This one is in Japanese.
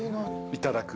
いただく？